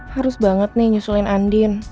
harus banget nih nyusulin andin